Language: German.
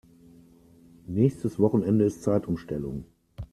Nächstes Wochenende ist Zeitumstellung.